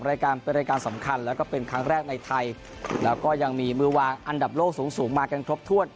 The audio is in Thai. รายการเป็นรายการสำคัญแล้วก็เป็นครั้งแรกในไทยแล้วก็ยังมีมือวางอันดับโลกสูงสูงมากันครบถ้วน